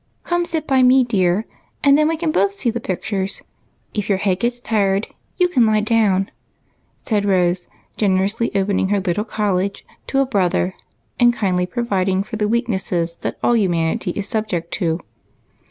" Come, sit by me, dear, then we can both see the pictures; and if your head gets tired you can lie down," said Rose, generously opening her little college to a brother, and kindly providing for the weaknesses that all humanity is subject to.